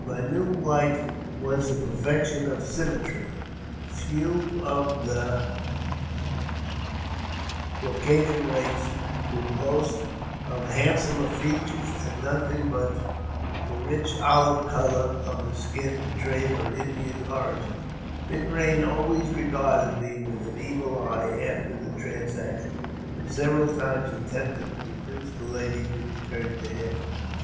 My new wife was the perfection of symmetry. Few oi the 212 AUTOBIOGBAPHY OF n. 1 c ll Caucasian race could boast of handsomer features, and notb but the rich oUve colour of the skin betrayed her Indian origin Big Eain always regarded me with an evil eye after the trans action, and several times attempted to induce the lady t return to him.